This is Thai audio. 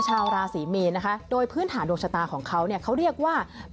ชาวราศรีมีนนะคะโดยพื้นฐานดวงชะตาของเขาเนี่ยเขาเรียกว่า